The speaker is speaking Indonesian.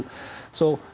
so jangan hal hal